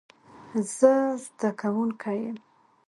زه زده کوونکی یم